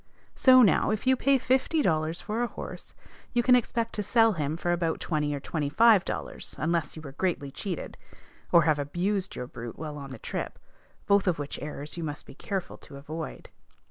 So now, if you pay fifty dollars for a horse, you can expect to sell him for about twenty or twenty five dollars, unless you were greatly cheated, or have abused your brute while on the trip, both of which errors you must be careful to avoid.